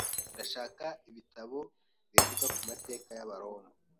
Ndashaka ibitabo bivuga ku mateka y'Abaroma.